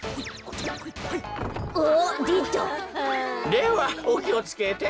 ではおきをつけて。